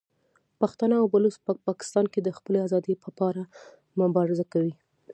پښتانه او بلوڅ په پاکستان کې د خپلې ازادۍ په پار مبارزه کوي.